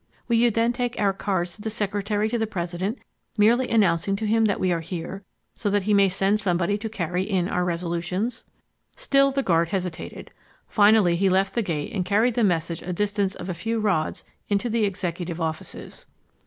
"Will you then take our cards to the Secretary to the president, merely announcing to him that we are here, so that he may send somebody to carry in our resolutions?" Still the guard hesitated. Finally he left the gate and carried the message a distance of a few rods into the Executive offices.